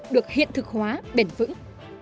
được hiện thực hóa bền vững